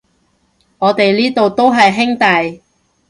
我哋呢度都係兄弟